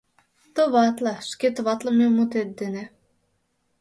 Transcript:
«Товатле – шке товатлыме мутет дене».